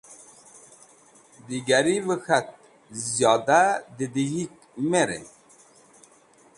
Digarvẽ k̃hat ziyoda dẽdg̃hik me rem.